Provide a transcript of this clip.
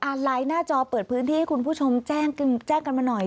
ไลน์หน้าจอเปิดพื้นที่ให้คุณผู้ชมแจ้งกันมาหน่อย